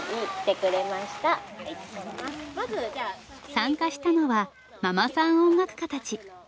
参加したのはママさん音楽家たち。